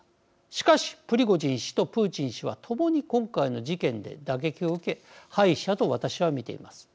しかし、プリゴジン氏とプーチン氏は共に今回の事件で打撃を受け敗者と私は見ています。